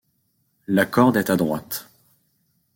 La corde est à droite.